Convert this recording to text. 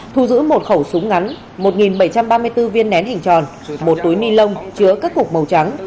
thu giữ một khẩu súng ngắn một bảy trăm ba mươi bốn viên nén hình tròn một túi ni lông chứa các cục màu trắng